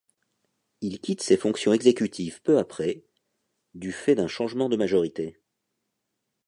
Il quitte ces fonctions exécutives peu après, du fait d'un changement de majorité.